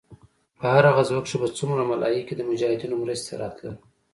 په هره غزوه کښې به څومره ملايک د مجاهدينو مرستې ته راتلل.